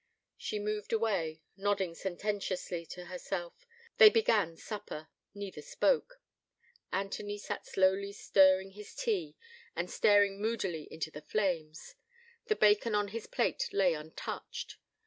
She moved away, nodding sententiously to herself. They began supper: neither spoke: Anthony sat slowly stirring his tea, and staring moodily into the flames: the bacon on his plate lay untouched.